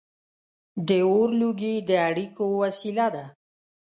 • د اور لوګي د اړیکو وسیله وه.